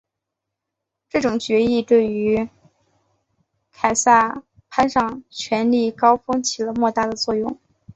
这种议决对于凯撒攀上权力高峰起了莫大的作用。